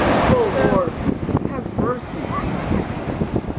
O Lord, have mercy!